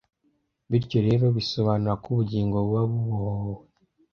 Bityo rero, bisobanura ko ubugingo buba bubohowe